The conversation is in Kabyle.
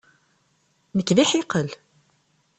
Nekk d iḥiqel.